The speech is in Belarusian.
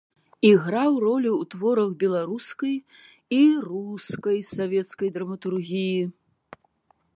Іграў ролі ў творах беларускай і рускай савецкай драматургіі.